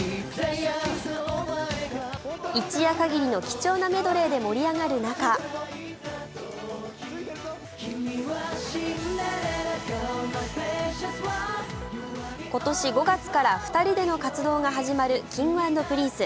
一夜限りの貴重なメドレーで盛り上がる中今年５月から２人での活動が始まるＫｉｎｇ＆Ｐｒｉｎｃｅ。